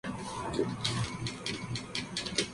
Jartum es la capital del estado.